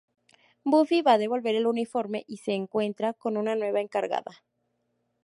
Buffy va a devolver el uniforme y se encuentra con una nueva encargada.